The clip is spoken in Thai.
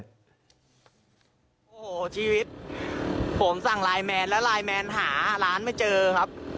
โอ้โหชีวิตผมสั่งไลน์แมนแล้วไลน์แมนหาร้านไม่เจอครับ